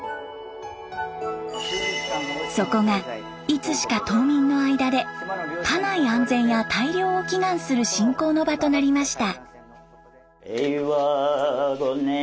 そこがいつしか島民の間で家内安全や大漁を祈願する信仰の場となりました。